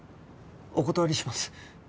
お断りします。